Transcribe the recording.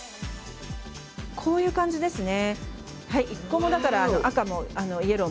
こういう感じですね。